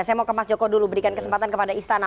saya mau ke mas joko dulu berikan kesempatan kepada istana